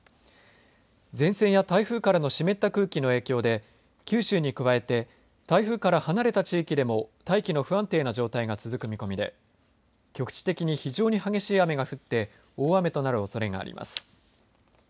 前線や台風からの湿った空気の影響で九州に加えて台風から離れた地域でも大気の不安定な状態が続く見込みで局地的に非常に激しい雨が降って大雨となるおそれがあります。